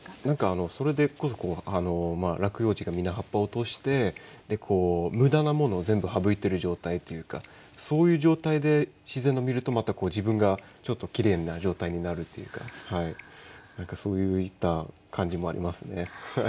何かあのそれでこそ落葉樹がみんな葉っぱを落としてでこう無駄なものを全部省いている状態っていうかそういう状態で自然を見るとまたこう自分がちょっときれいな状態になるっていうか何かそういった感じもありますね。